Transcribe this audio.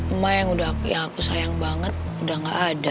emang yang udah aku sayang banget udah gak ada